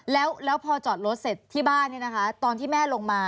แล้วแล้วพอจอดรถเสร็จที่บ้านเนี่ยนะคะตอนที่แม่ลงมา